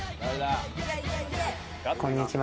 こんにちは。